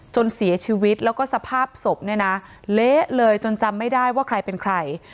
จนเสียชีวิตแล้วก็สภาพศพเนี่ยนะเละเลยจนจำไม่ได้ว่าใครเป็นใคร